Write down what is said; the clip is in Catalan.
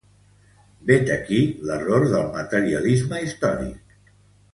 Vet aquí l'error del materialisme històric.